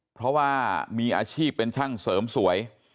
เพราะว่ามีอาชีพเป็นช่างเสริมสวย